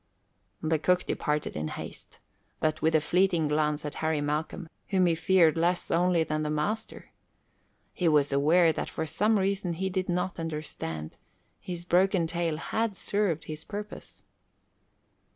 The cook departed in haste, but with a fleeting glance at Harry Malcolm whom he feared less only than the master. He was aware that for some reason he did not understand, his broken tale had served his purpose.